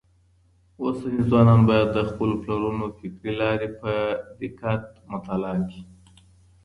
اوسني ځوانان بايد د خپلو پلرونو فکري لاري په دقت مطالعه کړي.